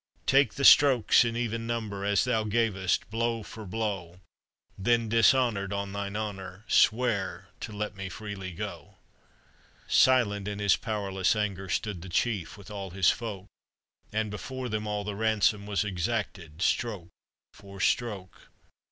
" Take the strokes in even number As thou gavest, blow for blow, Then dishonored on thine honor, Swear to let me freely go." Silent in his powerless anger, Stood the chief with all his folk, And before them all the ransom Was exacted stroke for stroke.